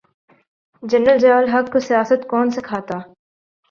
General Zia ul-Haq کو سیاست کون سکھاتا۔